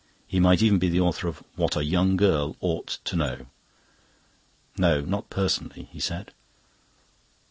He might even be the author of "What a Young Girl Ought to Know". "No, not personally," he said.